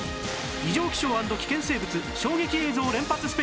異常気象＆危険生物衝撃映像連発スペシャル